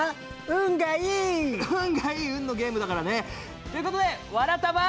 運がいい運のゲームだからね。ということで「わらたま」。